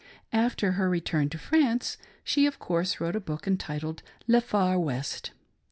After her return to France, she, of course, wrote a book, entitled Le Far West.